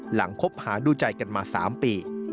คบหาดูใจกันมา๓ปี